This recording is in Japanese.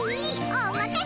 おまかせ。